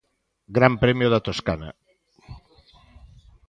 Gran Premio da Toscana.